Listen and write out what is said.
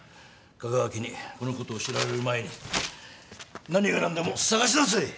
香川家にこのことを知られる前に何が何でも捜し出せ！